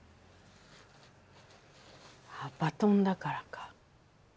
バトンだからか。